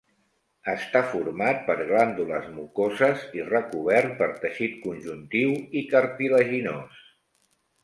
Està format per glàndules mucoses i recobert per teixit conjuntiu i cartilaginós.